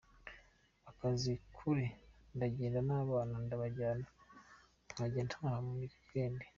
akazi kure ndagenda n’abana ndabajyana nkajya ntaha muri week end.